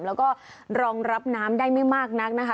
แล้วก็รองรับน้ำได้ไม่มากนักนะคะ